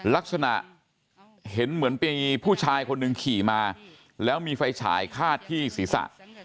ลักษณะเห็นเหมือนมีผู้ชายคนหนึ่งขี่มาแล้วมีไฟฉายคาดที่ศีรษะ